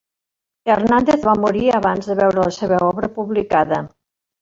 Hernández va morir abans de veure la seva obra publicada.